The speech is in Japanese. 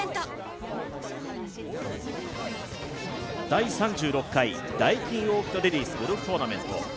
第３６回ダイキンオーキッドレディスゴルフトーナメント。